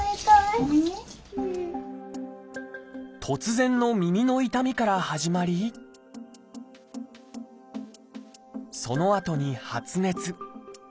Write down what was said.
突然の耳の痛みから始まりそのあとに発熱。